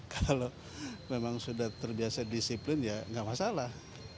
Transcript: kalau memang sudah terbiasa disiplin ya nggak masalah